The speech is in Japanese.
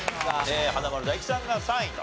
華丸・大吉さんが３位と。